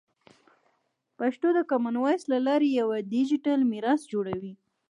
پښتو د کامن وایس له لارې یوه ډیجیټل میراث جوړوي.